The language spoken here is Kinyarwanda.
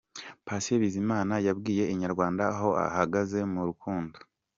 Patient Bizimana yabwiye Inyarwanda aho ahagaze mu rukundo.